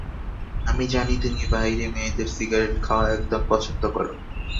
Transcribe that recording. আমি জানি তুমি বাইরে মেয়েদের সিগারেট খাওয়া একদম পছন্দ করোনা।